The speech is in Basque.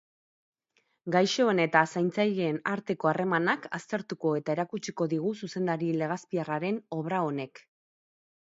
Gaixoen eta zaintzaileen arteko harremanak aztertuko eta erakutsiko digu zuzendari legazpiarraren obra honek.